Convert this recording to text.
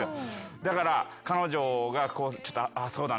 だから彼女がそうだね。